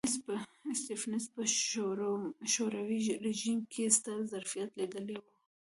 سټېفنس په شوروي رژیم کې ستر ظرفیت لیدلی و